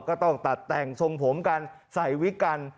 ก็ต้องตัดแต่งทรงผมกันใส่วิกกัน